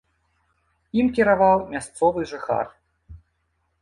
Ім кіраваў мясцовы жыхар.